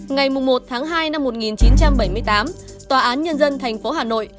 ngày một tháng hai năm một nghìn chín trăm bảy mươi tám tòa án nhân dân thành phố hà nội